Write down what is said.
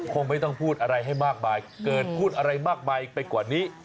คงไม่ต้องพูดอะไรให้มากมายเกิดพูดอะไรมากมายไปกว่านี้